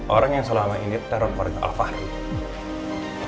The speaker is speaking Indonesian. orang yang selama ini teror oleh al fahri